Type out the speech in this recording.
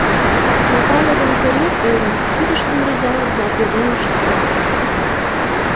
Натале ден Кори, ӧрын, кидыштым рӱзалыт да пӧлемыш каят.